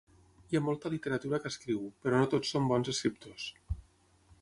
Hi ha molta literatura que escriu, però no tots són bons escriptors.